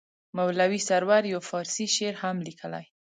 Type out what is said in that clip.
مولوي سرور یو فارسي شعر هم لیکلی.